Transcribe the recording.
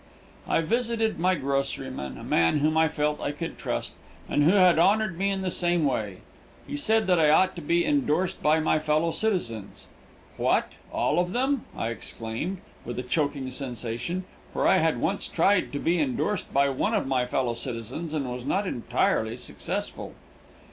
I visited my groceryman, a man whom I felt that I could trust, and who had honored me in the same way. He said that I ought to be indorsed by my fellow citizens. "What! All of them?" I exclaimed, with a choking sensation, for I had once tried to be indorsed by one of my fellow citizens and was not entirely successful.